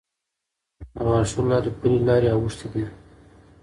د غاښو له لارې پلې لارې اوښتې دي.